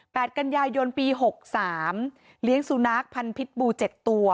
กันยายนปีหกสามเลี้ยงสุนัขพันธิ์บูเจ็ดตัว